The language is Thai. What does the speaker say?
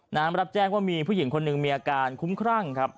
รับแจ้งว่ามีผู้หญิงคนหนึ่งมีอาการคุ้มครั่งครับ